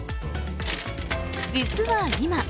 実は今。